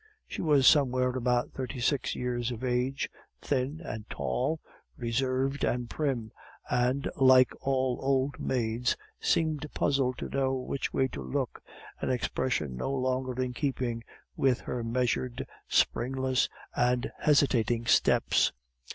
She was somewhere about thirty six years of age, thin and tall, reserved and prim, and, like all old maids, seemed puzzled to know which way to look, an expression no longer in keeping with her measured, springless, and hesitating steps.